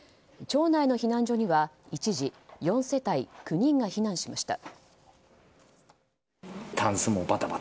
町内の避難所には一時４世帯９人が避難しました。